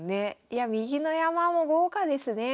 いや右の山も豪華ですね。